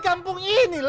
aku mau ke kantor